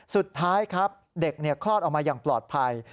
สุดท้ายครับเด็กคลอดออกมาอย่างปลอดภัย